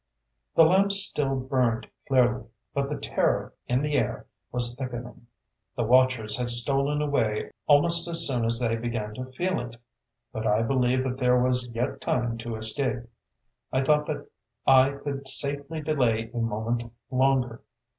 "The lamps still burned clearly; but the terror in the air was thickening. The watchers had stolen away almost as soon as they began to feel it. But I believed that there was yet time to escape; I thought that I could safely delay a moment longer.